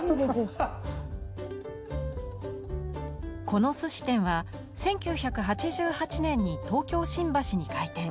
この寿司店は１９８８年に東京・新橋に開店。